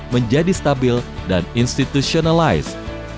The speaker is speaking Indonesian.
menjadi stabil dan institutionalized